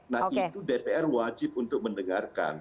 nah itu dpr wajib untuk mendengarkan